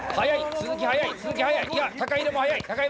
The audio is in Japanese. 鈴木速い！